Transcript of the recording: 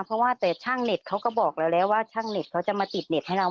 เพราะว่าแต่ช่างเน็ตเขาก็บอกเราแล้วว่าช่างเน็ตเขาจะมาติดเน็ตให้เรา